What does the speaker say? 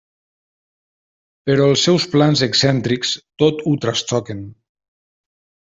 Però els seus plans excèntrics tot ho trastoquen.